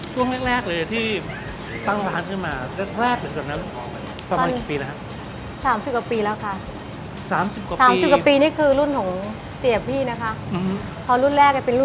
ส่วนแรกเลยที่ตั้งร้านขึ้นมาแรกตั้งสุดนั้นเกือบเกี่ยวกับ๑๔๐๐ปีฮะ